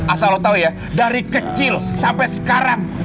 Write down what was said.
asal lo tau ya dari kecil sampai sekarang